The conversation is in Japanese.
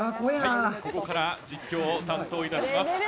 ここから実況を担当いたします。